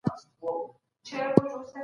استازو به ځانګړي استازي لیږلي وي.